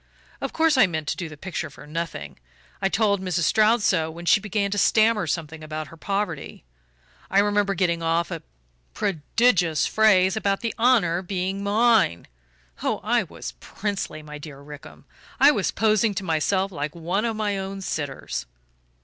Of course I meant to do the picture for nothing I told Mrs. Stroud so when she began to stammer something about her poverty. I remember getting off a prodigious phrase about the honour being MINE oh, I was princely, my dear Rickham! I was posing to myself like one of my own sitters.